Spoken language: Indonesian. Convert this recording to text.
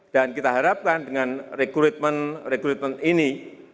dan kita harapkan dengan rekrutmen rekrutmen ini